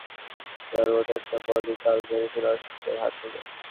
সত্যিই, ব্যাটসম্যানকে হতভম্ব করে দেওয়ার মতো একটা বলই কাল বেরিয়েছিল অশ্বিনের হাত থেকে।